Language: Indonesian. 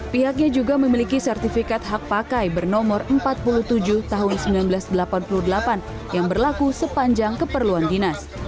pihaknya juga memiliki sertifikat hak pakai bernomor empat puluh tujuh tahun seribu sembilan ratus delapan puluh delapan yang berlaku sepanjang keperluan dinas